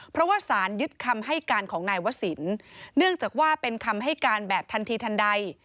เพราะว่าสารยึดคำให้การของนายวศิลป์เนื่องจากว่าเป็นคำให้การแบบทันทีทันใด